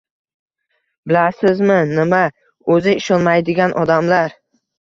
Bilasizmi nima, o‘zi ishonmaydigan odamlar